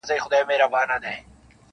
بلکي د حافظې په ژورو کي نور هم خښېږي,